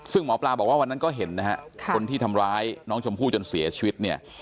ซึ่งหมอปลาบอกว่าวันนั้นก็เห็นนะฮะคนที่ทำร้ายน้องชมพู่จนเสียชีวิตเนี่ย